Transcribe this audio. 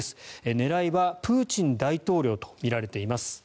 狙いはプーチン大統領とみられています。